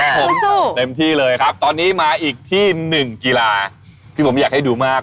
เต็มที่เลยครับตอนนี้มาอีกที่หนึ่งกีฬาที่ผมอยากให้ดูมาก